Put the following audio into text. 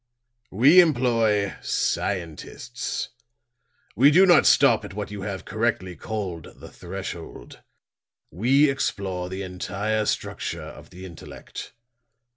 "We employ scientists. We do not stop at what you have correctly called the threshold. We explore the entire structure of the intellect.